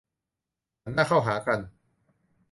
หันหน้าเข้าหากัน